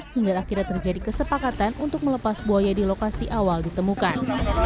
hingga akhirnya terjadi kesepakatan untuk melepas buaya di lokasi awal ditemukan